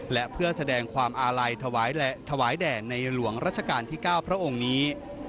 และเพื่อแสดงความอาลัยถวายแด่ในหลวงรัชกาลที่๙พระองค์นี้